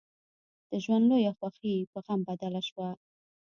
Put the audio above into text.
د ژوند لويه خوښي يې په غم بدله شوه.